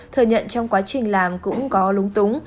thừa nhận trong quá trình làm cũng có lúng túng